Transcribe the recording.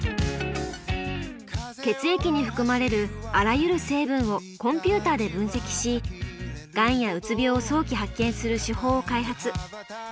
血液に含まれるあらゆる成分をコンピューターで分析しがんやうつ病を早期発見する手法を開発。